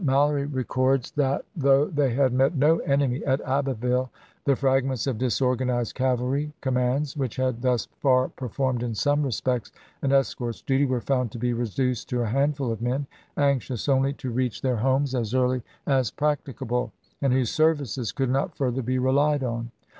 Mallory records THE CAPTUKE OF JEFFERSON DAVIS 267 that though they had met no enemy, " At Abbe ville the fragments of disorganized cavalry com mands, which had thus far performed, in some respects, an escort's duty, were found to be reduced to a handful of men, anxious only to reach their homes as early as practicable, and whose services could not further be relied on.